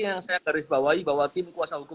yang saya terisbawahi bahwa tim kuasa hukum